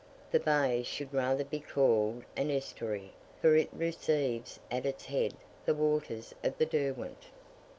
The bay should rather be called an estuary, for it receives at its head the waters of the Derwent.